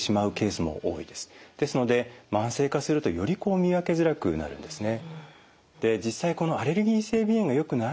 ですので慢性化するとより見分けづらくなるんですね。